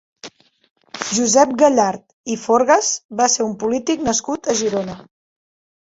Josep Gallart i Forgas va ser un polític nascut a Girona.